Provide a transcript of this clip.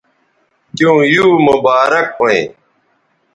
تیوں یو مبارک ھویں